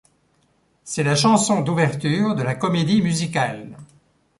C'est la chanson d'ouverture de la comédie musicale.